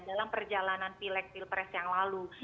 dalam perjalanan pilek pilpres yang lalu